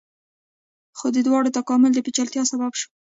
خو د دواړو تکامل د پیچلتیا سبب شو.